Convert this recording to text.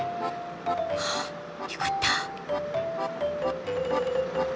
はあよかった。